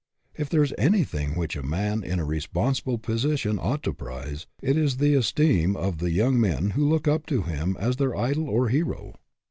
If there is anything which a man in a re sponsible position ought to prize, it is the es teem of the young men who look up to him as their idol or hero.